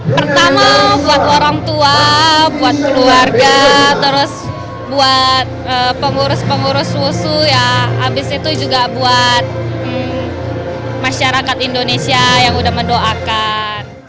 pertama buat orang tua buat keluarga terus buat pengurus pengurus wussu ya habis itu juga buat masyarakat indonesia yang udah mendoakan